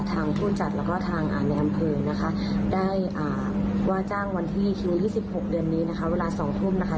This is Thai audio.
ผู้จัดแล้วก็ทางในอำเภอนะคะได้ว่าจ้างวันที่คิววันที่๑๖เดือนนี้นะคะเวลา๒ทุ่มนะคะ